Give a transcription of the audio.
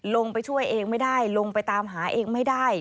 ลงไปช่วยเองไม่ได้ลงไปตามหาเองไม่ได้